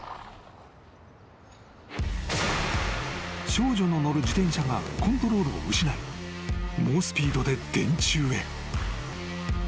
［少女の乗る自転車がコントロールを失い猛スピードで電柱へ］